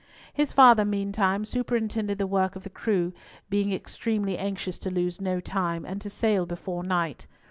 His father meantime superintended the work of the crew, being extremely anxious to lose no time, and to sail before night.